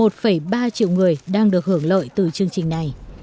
một mươi một ba triệu người đang được hưởng lợi từ chương trình này